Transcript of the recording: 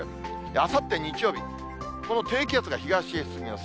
あさって日曜日、この低気圧が東へ進みます。